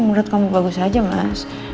menurut kamu bagus saja mas